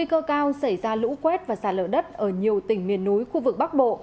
cơ cao xảy ra lũ quét và sàn lở đất ở nhiều tỉnh miền núi khu vực bắc bộ